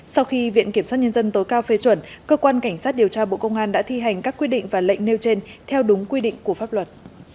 sau khi viện kiểm sát nhân dân tối cao phê chuẩn cơ quan cảnh sát điều tra bộ công an đã thi hành các quy định và lệnh nêu trên theo đúng quy định của pháp luật